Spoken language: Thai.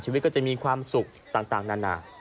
ก็จะมีความสุขต่างนานา